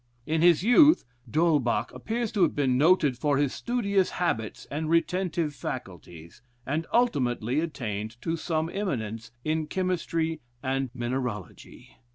In his youth, D'Holbach appears to have been noted for his studious habits and retentive faculties, and ultimately attained to some eminence in chemistry and mineralogy.